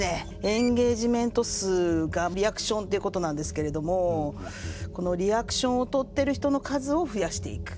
エンゲージメント数がリアクションっていうことなんですけれどもこのリアクションをとってる人の数を増やしていく。